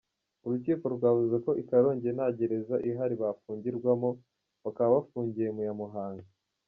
Urukiko rwavuze ko i Karongi nta gereza ihari bafungirwamo, bakaba bafungiye mu ya Muhanga.